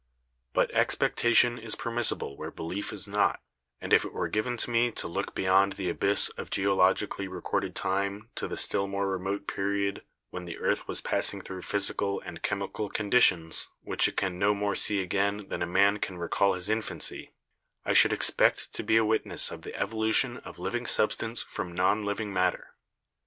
"But expectation is permissible where belief is not; and if it were given to me to look beyond the abyss of geolog ically recorded time to the still more remote period when the earth was passing through physical and chemical con ditions which it can no more see again than a man can recall his infancy, I should expect to be a witness of the evolution of living substance from non living matter.